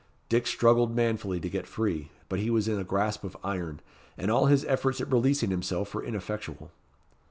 Dick struggled manfully to get free, but he was in a grasp of iron, and all his efforts at releasing himself were ineffectual.